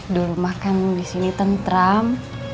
dulu makan disini tentram